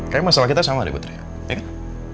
kayaknya masalah kita sama deh putri ya ya kan